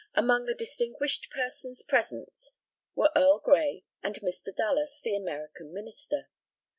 Among the distinguished persons present were Earl Grey and Mr. Dallas, the American Minister.